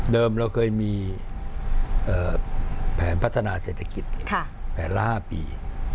เราเคยมีแผนพัฒนาเศรษฐกิจแผนล่าปี